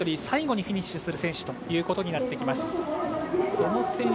最後にフィニッシュする選手となります。